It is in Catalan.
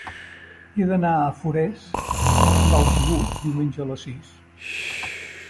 He d'anar a Forès amb autobús diumenge a les sis.